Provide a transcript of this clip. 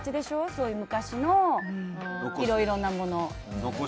そういう昔のいろいろなもの。